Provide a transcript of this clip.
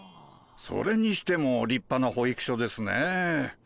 それにしても立派な保育所ですね。